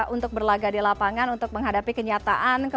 untuk berlaga di lapangan untuk menghadapi kenyataan